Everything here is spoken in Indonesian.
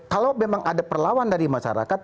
kalau memang ada perlawan dari masyarakat